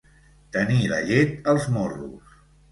Tenir la llet als morros.